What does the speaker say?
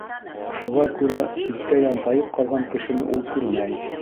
Шуға күрә ситкә янтайып ҡалған кешене ул күрмәй.